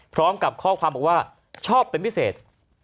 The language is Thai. พร้อมกับข้อความบอกว่าชอบเป็นพิเศษ